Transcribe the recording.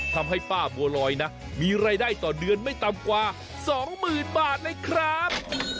ทำให้ป้าบัวลอยนะมีรายได้ต่อเดือนไม่ต่ำกว่า๒๐๐๐บาทเลยครับ